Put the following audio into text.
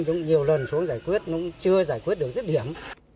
chúng nhiều lần xuống giải quyết nó cũng chưa giải quyết được tiết điểm